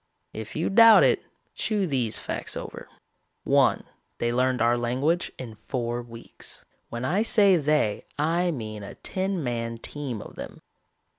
If you doubt it, chew these facts over. "One, they learned our language in four weeks. When I say they, I mean a ten man team of them.